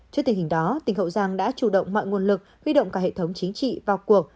trước tình hình đó tỉnh hậu giang đã chủ động mọi nguồn lực huy động cả hệ thống chính trị vào cuộc